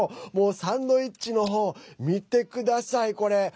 サンドイッチの見てください、これ。